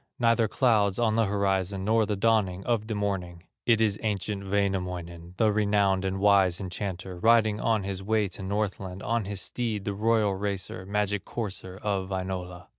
Neither clouds on the horizon, Nor the dawning of the morning; It is ancient Wainamoinen, The renowned and wise enchanter, Riding on his way to Northland; On his steed, the royal racer, Magic courser of Wainola."